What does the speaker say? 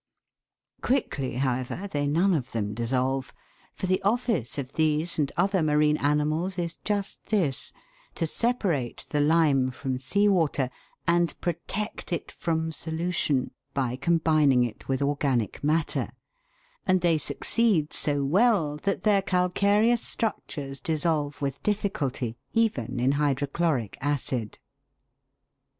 Quickly, however, they none of them dissolve, for the office of these and other marine animals is just this : to separate the lime from sea water, and protect it from solution by combining it with organic matter, and they succeed so well that their calcareous structures dissolve with difficulty, even in hydrochloric acid.